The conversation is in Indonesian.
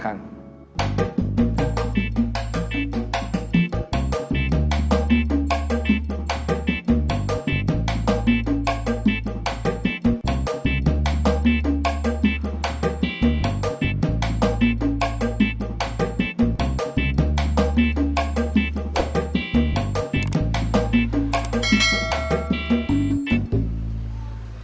kita udah selesai